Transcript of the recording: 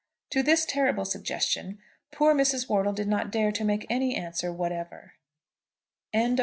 To this terrible suggestion poor Mrs. Wortle did not dare to make any answer whatever. CHAPTER XII.